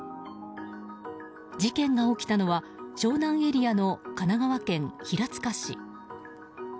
事件が起きたのは湘南エリアの神奈川県平塚市。